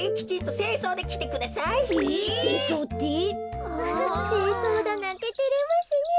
せいそうだなんててれますねえ。